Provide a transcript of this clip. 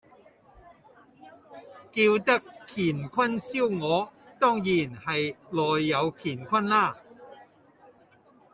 叫得乾坤燒鵝，當然係內有乾坤啦